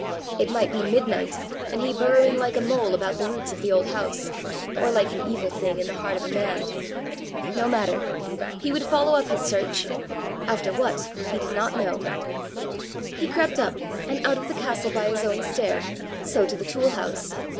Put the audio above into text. It might be midnight and he burrowing like a mole about the roots of the old house, or like an evil thing in the heart of a man! No matter! he would follow up his search after what, he did not know. He crept up, and out of the castle by his own stair, so to the tool house.